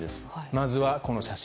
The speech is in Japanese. まずはこの写真。